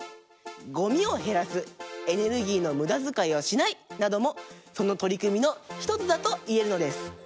「ごみをへらす」「エネルギーのむだづかいはしない」などもそのとりくみの１つだといえるのです。